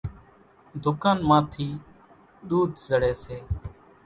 ۮُڪانَ مان ٿِي ۮوڌ زڙيَ سي۔